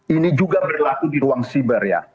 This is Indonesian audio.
ini juga berlaku di ruang siber ya